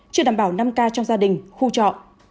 chưa đảm bảo năm k trong gia đình khu trọ